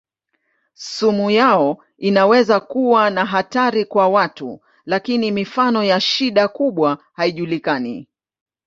Sumu yao inaweza kuwa na hatari kwa watu lakini mifano ya shida kubwa haijulikani.